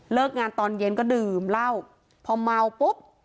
งานตอนเย็นก็ดื่มเหล้าพอเมาปุ๊บ